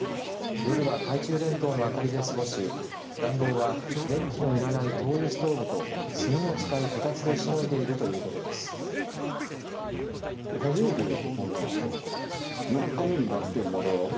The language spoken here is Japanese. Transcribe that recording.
夜は、懐中電灯の明かりで過ごし暖房は電気のいらない灯油ストーブと炭を使うこたつでしのいでいるということです。